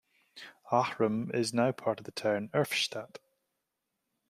Ahrem is now part of the town Erftstadt.